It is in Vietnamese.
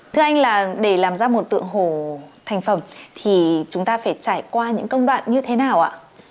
thưa anh là để làm ra một tượng hồ thành phẩm thì chúng ta phải trải qua những công đoạn như thế nào ạ